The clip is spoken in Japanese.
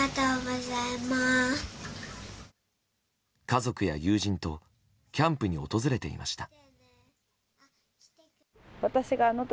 家族や友人とキャンプに訪れていました。